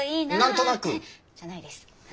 何となく？じゃないです。